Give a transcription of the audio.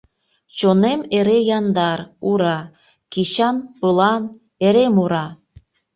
Чонем — эре яндар, ура, Кечан, пылан, эре мура.